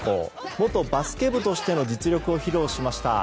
元バスケ部としての実力を披露しました。